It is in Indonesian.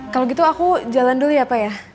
kalau gitu aku jalan dulu ya pak ya